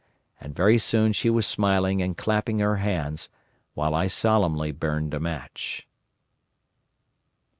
And very soon she was smiling and clapping her hands, while I solemnly burnt a match.